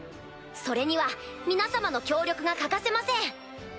それには皆様の協力が欠かせません。